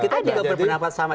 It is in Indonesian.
kita juga berpendapat sama